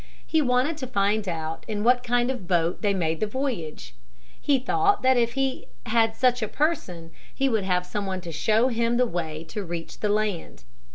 He wanted to find out in what kind of boat they made the voyage. He thought that if he had such a person he would have someone to show him the way to reach the land.